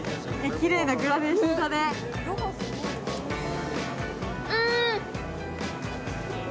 きれいなグラデーションだねうん！